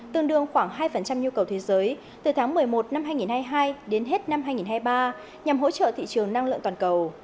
tương đương khoảng hai nhu cầu thế giới từ tháng một mươi một năm hai nghìn hai mươi hai đến hết năm hai nghìn hai mươi ba nhằm hỗ trợ thị trường năng lượng toàn cầu